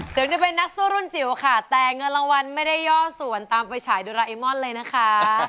ถึงจะเป็นนักสู้รุ่นจิ๋วค่ะแต่เงินรางวัลไม่ได้ย่อส่วนตามไฟฉายโดราเอมอนเลยนะคะ